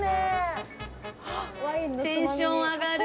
テンション上がる。